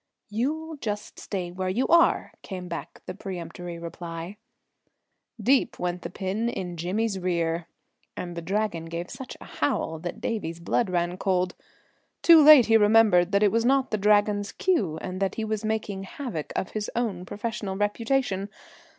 "You'll just stay where you are," came back the peremptory reply. Deep went the pin in Jimmy's rear, and the Dragon gave such a howl that Davie's blood ran cold. Too late he remembered that it was not the Dragon's cue, and that he was making havoc of his own professional reputation.